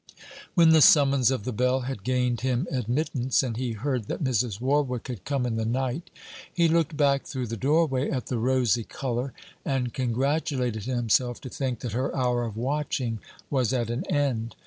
When the summons of the bell had gained him admittance, and he heard that Mrs. Warwick had come in the night, he looked back through the doorway at the rosy colour, and congratulated himself to think that her hour of watching was at an end.